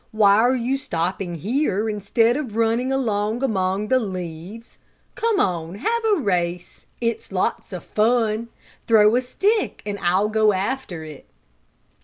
Why are you stopping here instead of running along among the leaves? Come on, have a race! It's lots of fun! Throw a stick and I'll go after it!"